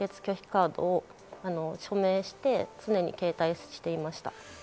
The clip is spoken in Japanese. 先程のＶＴＲの輸血拒否カードを署名して、常に携帯していました。